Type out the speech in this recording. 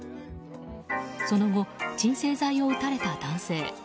その後、鎮静剤を打たれた男性。